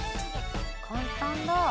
簡単だ。